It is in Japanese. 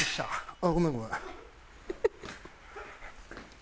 ああごめんごめん。